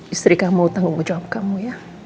istri kamu tanggung jawab kamu ya